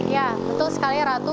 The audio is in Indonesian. ya betul sekali ratu